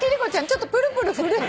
ちょっとプルプル震えて。